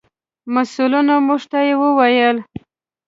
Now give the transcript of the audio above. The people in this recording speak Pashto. مسؤلینو موږ ته و ویل: